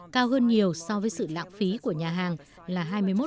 cao hơn nhiều so với sự lãng phí của nhà hàng là hai mươi một